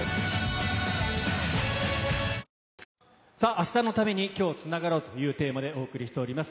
「明日のために、今日つながろう。」というテーマでお送りしております